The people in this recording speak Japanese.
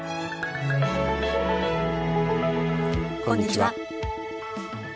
こんにちは。